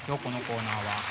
このコーナーは。